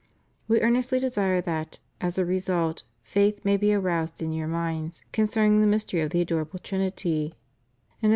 We earnestly desire that, as a result, faith may be aroused in your minds concerning the mystery of the adorable Trinity, and espe »Job xxvi.